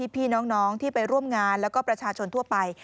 พี่น้องที่ไปร่วมงานแล้วก็ประชาชนทั่วไป